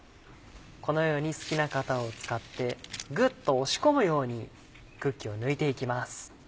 このように好きな型を使ってグッと押し込むようにクッキーを抜いていきます。